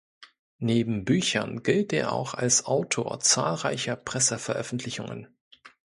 Neben Büchern gilt er auch als Autor zahlreicher Presseveröffentlichungen.